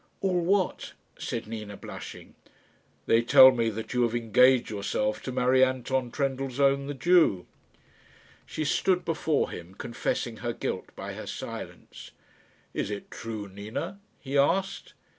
"All what?" said Nina, blushing. "They tell me that you have engaged yourself to marry Anton Trendellsohn, the Jew." She stood before him confessing her guilt by her silence. "Is it true, Nina?" he asked.